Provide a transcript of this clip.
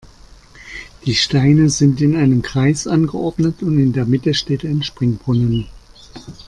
Die Steine sind in einem Kreis angeordnet und in der Mitte steht ein Springbrunnen.